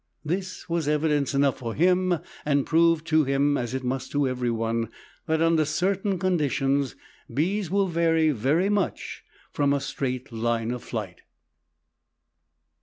This was evidence enough for him and proved to him, as it must to every one, that under certain conditions bees will vary very much from a straight line of flight.